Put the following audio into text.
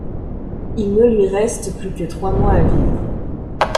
Il ne lui reste plus que trois mois à vivre.